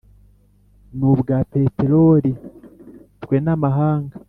N’ubwa peterori twe n’amahanga